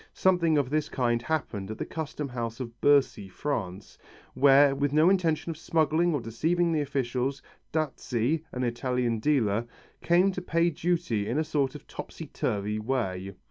Something of this kind happened at the Custom House of Bercy, Paris, where, with no intention of smuggling or deceiving the officials, Dazzi, an Italian dealer, came to pay duty in a sort of topsy turvy way.